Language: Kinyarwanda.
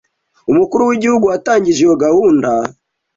Umukuru w’Igihugu watangije iyo gahunda